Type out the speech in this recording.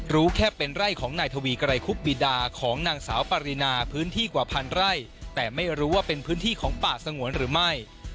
รู้แค่เป็นไร่ของนายทวีไกรคุบบีดาของนางสาวปรินาพื้นที่กว่าพันไร่แต่ไม่รู้ว่าเป็นพื้นที่ของป่าสงวนหรือไม่